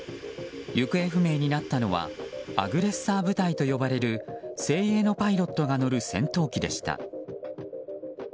行方不明になったのはアグレッサー部隊と呼ばれる精鋭のパイロットが乗る戦闘機でした。